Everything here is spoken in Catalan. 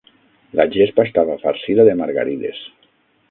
La gespa estava farcida de margarides.